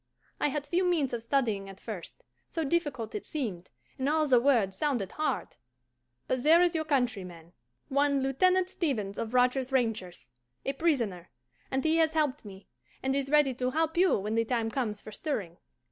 I had few means of studying at first, so difficult it seemed, and all the words sounded hard; but there is your countryman, one Lieutenant Stevens of Rogers' Rangers, a prisoner, and he has helped me, and is ready to help you when the time comes for stirring.